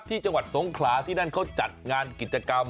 ที่จังหวัดสงขลาที่นั่นเขาจัดงานกิจกรรม